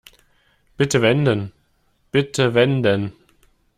Bitte wenden, bitte wenden.